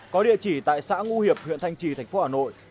có địa chỉ tại xã ngu hiệp huyện thanh trì tp hà nội